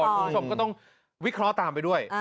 คุณผู้ชมก็ต้องวิเคราะห์ตามไปด้วย